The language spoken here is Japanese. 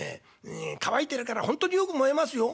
乾いてるからほんとによく燃えますよ。